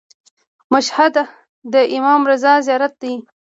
مشهد د امام رضا زیارت دی.